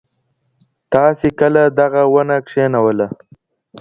تاسي کله دغه ونه کښېنوله؟